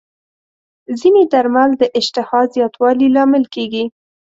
ځینې درمل د اشتها زیاتوالي لامل کېږي.